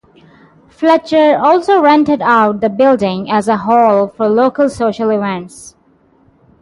Fletcher also rented out the building as a hall for local social events.